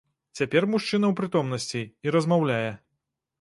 Цяпер мужчына ў прытомнасці і размаўляе.